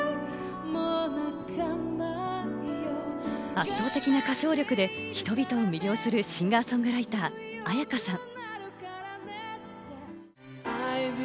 圧倒的な歌唱力で、人々を魅了するシンガー・ソングライター、絢香さん。